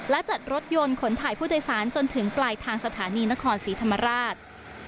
และจัดรถยนต์ขนถ่ายผู้โดยสารจนถึงปลายทางสถานีนครศรีธรรมราช